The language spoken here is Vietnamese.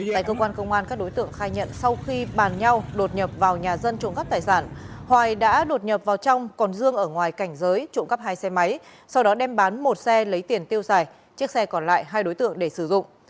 tại cơ quan công an các đối tượng khai nhận sau khi bàn nhau đột nhập vào nhà dân trộm cắp tài sản hoài đã đột nhập vào trong còn dương ở ngoài cảnh giới trộm cắp hai xe máy sau đó đem bán một xe lấy tiền tiêu xài chiếc xe còn lại hai đối tượng để sử dụng